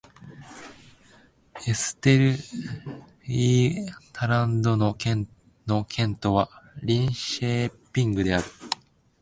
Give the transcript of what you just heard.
エステルイェータランド県の県都はリンシェーピングである